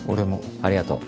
ありがとう。